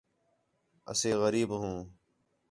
اسے غریب وہوں